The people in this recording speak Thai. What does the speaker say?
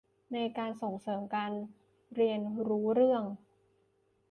ในการส่งเสริมการเรียนรู้เรื่อง